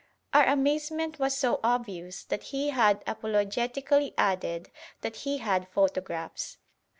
Our amazement was so obvious that he apologetically added that he had photographs.